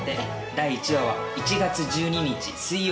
第１話は１月１２日水曜。